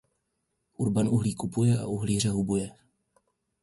Urban uhlí kupuje, u uhlíře hubuje.